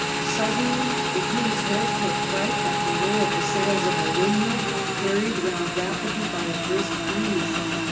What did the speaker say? Suddenly the king's horse took fright at the whirr of the sails of a windmill, carried round rapidly by a brisk breeze.